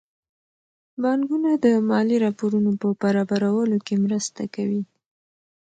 بانکونه د مالي راپورونو په برابرولو کې مرسته کوي.